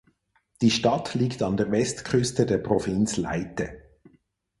Die Stadt liegt an der Westküste der Provinz Leyte.